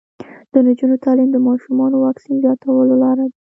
د نجونو تعلیم د ماشومانو واکسین زیاتولو لاره ده.